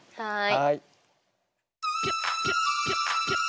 はい。